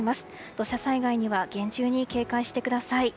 土砂災害には厳重に警戒してください。